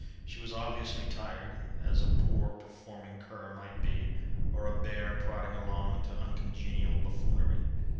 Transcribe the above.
She was obviously tired, as a poor, performing cur might be, or a bear prodded along to uncongenial buffoonery.